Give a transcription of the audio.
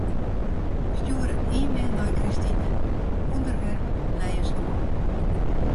Stjoer in e-mail nei Kristine, ûnderwerp nije skuon.